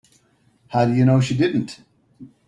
How do you know she didn't?